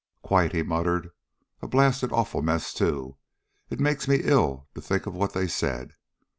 "Quite!" he muttered. "A blasted awful mess, too. It makes me ill to think of what they said.